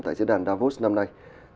tại diễn đàn davos năm nay